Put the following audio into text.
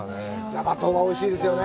矢場とんはおいしいですよね。